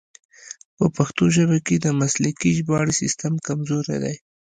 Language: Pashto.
په پښتو ژبه کې د مسلکي ژباړې سیستم کمزوری دی.